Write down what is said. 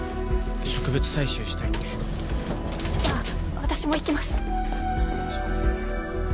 植物採集したいんでじゃあ私も行きます